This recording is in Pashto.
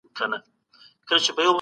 لمونځ او دعا سکون ورکوي.